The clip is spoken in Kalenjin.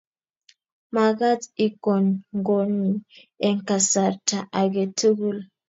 Makat ikonygony eng kasarta age tugul